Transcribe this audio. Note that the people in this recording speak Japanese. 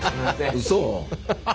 うそ。